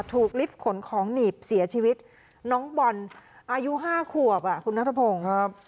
ลิฟต์ขนของหนีบเสียชีวิตน้องบอลอายุ๕ขวบอ่ะคุณนัทพงศ์ครับ